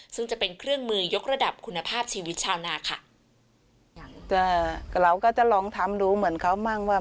ซึ่งจะเป็นเครื่องมือยกระดับคุณภาพชีวิตชาวหน้าค่ะ